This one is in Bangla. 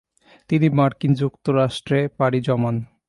তিনি মার্কিন যুক্তরাষ্ট্রে পাড়ি জমান।